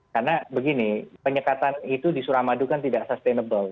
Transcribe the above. karena begini penyekatan itu di suramadu kan tidak sustainable